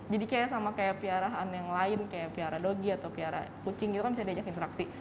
jadi kayak sama kayak piaraan yang lain kayak piara dogi atau piara kucing gitu kan bisa diajak interaksi